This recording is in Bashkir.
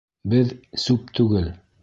Беҙ — сүп түгел!